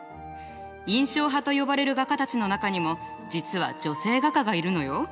印象派と呼ばれる画家たちの中にも実は女性画家がいるのよ。